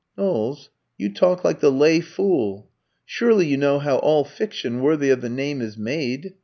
"Knowles, you talk like the lay fool. Surely you know how all fiction, worthy of the name, is made?